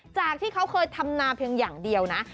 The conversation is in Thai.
จากที่เขาเคยทำนาเพียงอย่างเดียวนะ